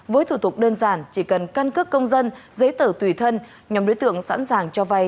với thủ tục đơn giản chỉ cần căn cước công dân giấy tờ tùy thân nhóm đối tượng sẵn sàng cho vay